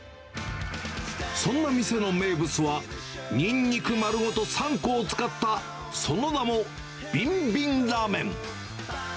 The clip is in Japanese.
そんな店の名物は、にんにく丸ごと３個を使った、その名も、ビンビンラーメン。